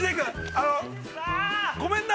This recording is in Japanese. あのごめんな！